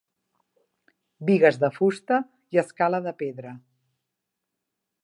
Bigues de fusta i escala de pedra.